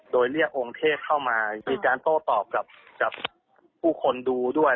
โดยเรียกองค์เทพเข้ามามีการโต้ตอบกับผู้คนดูด้วย